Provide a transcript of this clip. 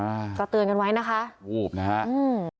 อ่าก็เตือนกันไว้นะคะวูบนะฮะอืม